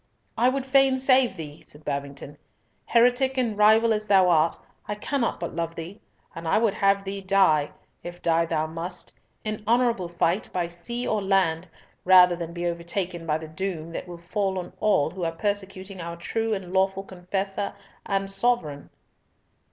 "I would fain save thee," said Babington. "Heretic and rival as thou art, I cannot but love thee, and I would have thee die, if die thou must, in honourable fight by sea or land, rather than be overtaken by the doom that will fall on all who are persecuting our true and lawful confessor and sovereign."